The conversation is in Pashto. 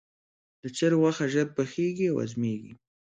د چرګ غوښه ژر پخیږي او هضمېږي.